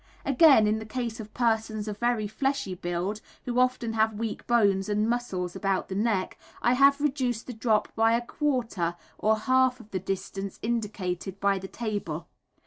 Again, in the case of persons of very fleshy build, who often have weak bones and muscles about the neck, I have reduced the drop by a quarter or half of the distance indicated by the table.